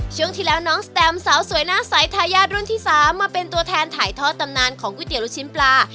ช่วงที่แล้วน้องสแตมสาวสวยหน้าใสทายาทรุ่นที่๓มาเป็นตัวแทนถ่ายทอดตำนานของก๋วยเตี๋ยวลูกชิ้นปลา